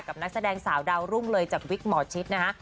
นักแสดงสาวดาวรุ่งเลยจากวิกหมอชิดนะฮะ